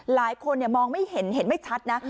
หลายคนเนี่ยมองไม่เห็นไม่ชัดนะ